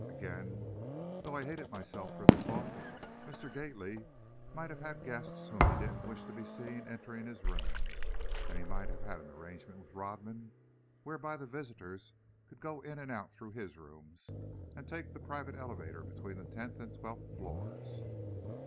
Again, though I hated myself for the thought, Mr. Gately might have had guests whom he didn't wish to be seen entering his rooms, and he might have had an arrangement with Rodman whereby the visitors could go in and out through his rooms, and take the private elevator between the tenth and twelfth floors.